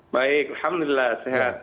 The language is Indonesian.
baik alhamdulillah sehat